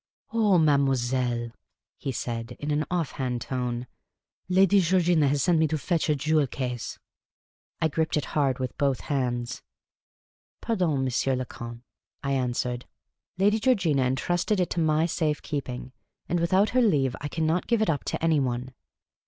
" Oh, mademoiselle," he said, in an off hand tone, " Lady Georgina has sent me to fetch her jewel case. '' I gripped it hard with both hands. " Pardon^ M. le Comte," I answered ;" Lady Georgina intrusted it to my safe keeping, and, without her leave, I cannot give it up to any one."